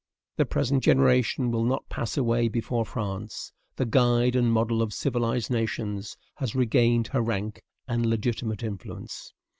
The present generation will not pass away before France, the guide and model of civilized nations, has regained her rank and legitimate influence."